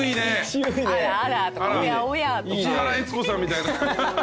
市原悦子さんみたいな。